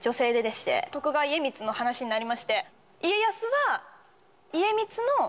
「徳川家光の話になりまして」